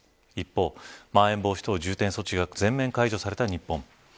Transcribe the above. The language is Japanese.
一方、まん延防止等重点措置が全面解除された日本。